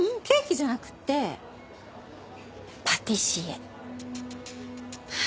ケーキじゃなくてパティシエ。